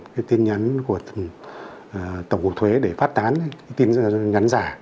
cái tin nhắn của tổng cục thuế để phát tán cái tin nhắn giả